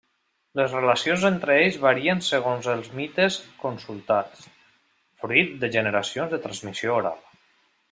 Les relacions entre ells varien segons els mites consultats, fruit de generacions de transmissió oral.